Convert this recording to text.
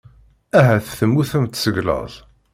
Ahat temmutemt seg laẓ.